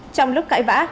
trong lúc cãi vã